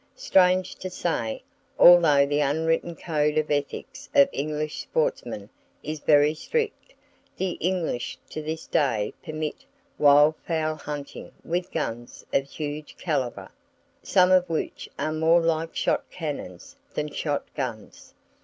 Strange to say, although the unwritten code of ethics of English sportsmen is very strict, the English to this day permit wild fowl hunting with guns of huge calibre, some of which are more like shot cannons than shot guns.